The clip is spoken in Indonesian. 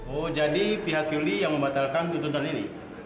oh jadi pihak yuli yang membatalkan tuntutan ini